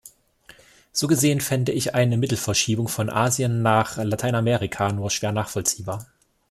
So gesehen fände ich eine Mittelverschiebung von Asien nach Lateinamerika nur schwer nachvollziehbar.